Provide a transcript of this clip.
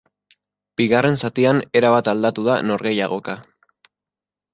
Bigarren zatian erabat aldatu da norgehiagoka.